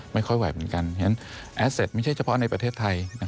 ไม่ค่อยไหวเหมือนกันเพราะฉะนั้นแอสเซตไม่ใช่เฉพาะในประเทศไทย